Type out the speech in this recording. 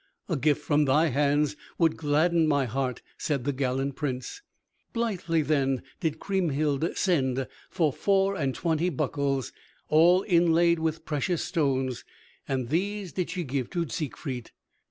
"A gift from thy hands would gladden my heart," said the gallant Prince. Blithely then did Kriemhild send for four and twenty buckles, all inlaid with precious stones, and these did she give to Siegfried.